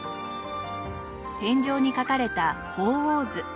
天井に描かれた『鳳凰図』。